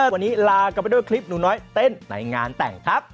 วันนี้ลากันไปด้วยคลิปหนูน้อยเต้นในงานแต่งครับ